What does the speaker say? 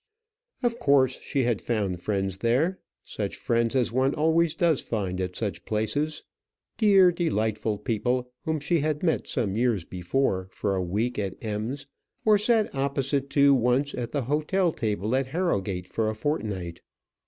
Of course she had found friends there, such friends as one always does find at such places dear delightful people whom she had met some years before for a week at Ems, or sat opposite to once at the hotel table at Harrowgate for a fortnight.